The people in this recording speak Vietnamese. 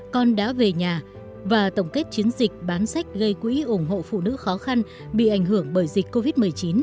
con đã về nhà và tổng kết chiến dịch bán sách gây quỹ ủng hộ phụ nữ khó khăn bị ảnh hưởng bởi dịch covid một mươi chín